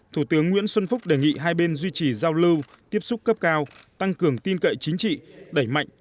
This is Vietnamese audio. thủ tướng nguyễn xuân phúc đề nghị hai bên duy trì giao lưu tiếp xúc cấp cao tăng cường tin cậy chính trị đẩy mạnh